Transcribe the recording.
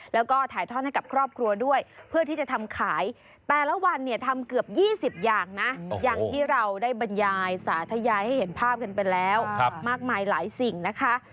แล้วก็ถ่ายทอดให้กับครอบครัวด้วยเพื่อที่จะทำขายแต่ละวันเนี่ยทำเกือบ๒๐อย่างนะอย่างที่เราได้บรรยายสาธยายให้เห็นภาพกันไปแล้วมากมายหลายสิ่งนะคะ